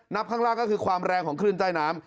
ข้างล่างก็คือความแรงของคลื่นใต้น้ำ